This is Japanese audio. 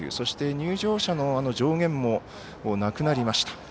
そして入場者の上限もなくなりました。